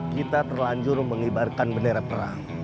kita terlanjur mengibarkan bendera perang